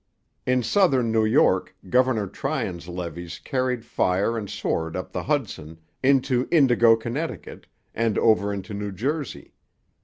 In southern New York Governor Tryon's levies carried fire and sword up the Hudson, into 'Indigo Connecticut,' and over into New Jersey.